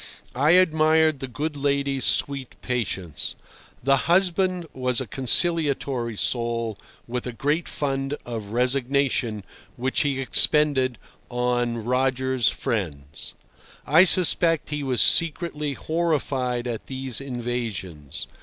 I admired the good lady's sweet patience. The husband was a conciliatory soul, with a great fund of resignation, which he expended on "Roger's friends." I suspect he was secretly horrified at these invasions.